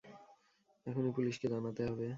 এখনই পুলিশকে জানাতে হবে।